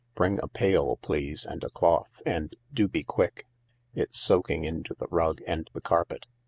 Bring a pail, please, and a cloth, and do be quick. It's soaking into the rug and the carpet.